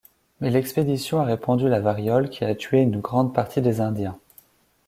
Mais l'expédition a répandu la variole qui a tué une grande partie des indiens.